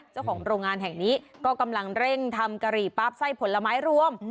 เจ้าของโรงงานแห่งนี้ก็กำลังเร่งทำกะหรี่ปั๊บไส้ผลไม้รวม